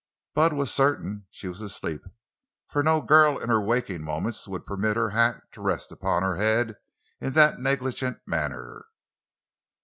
Bud was certain she was asleep, for no girl in her waking moments would permit her hat to rest upon her head in that negligent manner.